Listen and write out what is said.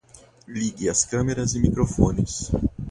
Ligue as câmeras e microfones